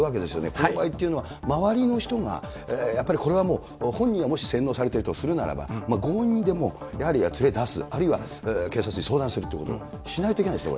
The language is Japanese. この場合というのは、周りの人が、やっぱりこれはもう、本人はもし洗脳されているとするならば、強引にでもやはり連れ出す、あるいは、警察に相談するということをしないといけないですね。